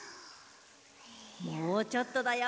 もうちょっとだよ。